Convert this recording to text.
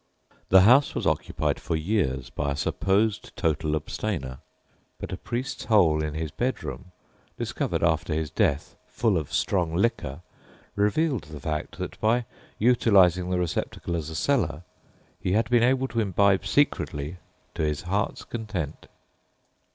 The house was occupied for years by a supposed total abstainer; but a "priest's hole" in his bedroom, discovered after his death full of strong liquor, revealed the fact that by utilising the receptacle as a cellar he had been able to imbibe secretly to his heart's content.